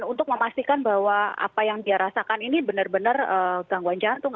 untuk memastikan bahwa apa yang dia rasakan ini benar benar gangguan jantung